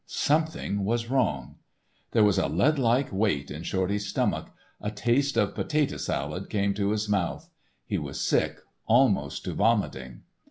Something was wrong. There was a lead like weight in Shorty's stomach, a taste of potato salad came to his mouth, he was sick almost to vomiting.